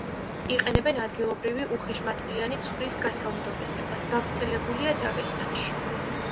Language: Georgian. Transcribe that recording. იყენებენ ადგილობრივი უხეშმატყლიანი ცხვრის გასაუმჯობესებლად, გავრცელებულია დაღესტანში.